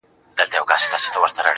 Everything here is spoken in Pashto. o هغه به زما له سترگو.